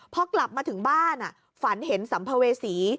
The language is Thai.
พอกลับมาถึงบ้านฝันเห็นสัมภเวษี